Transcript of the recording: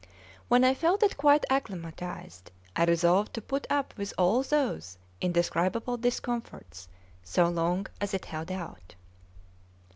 When I felt it quite acclimatised, I resolved to put up with all those indescribable discomforts so long as it held out.